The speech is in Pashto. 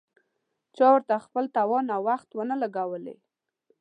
چا ورته خپل توان او وخت ونه لګولې.